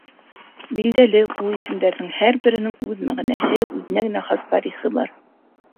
Билдәле, ул исемдәрҙең һәр береһенең үҙ мәғәнәһе, үҙенә генә хас тарихы бар.